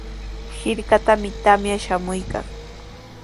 Hirkatami tamya shamuykan.